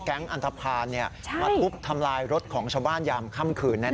แก๊งอันทภารเนี้ยใช่มาทุบทำลายรถของชาวบ้านยามค่ำคืนแน่แน่